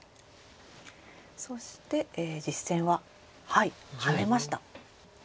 そして実戦はハネました。